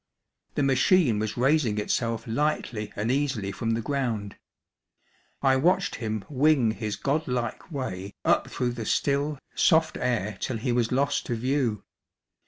The machine was raising itself lightly and easily from the ground. I watched him wing his god like way up through the still, soft air till he was lost to view.